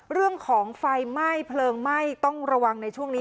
เรื่องของไฟไหม้เพลิงไหม้ต้องระวังในช่วงนี้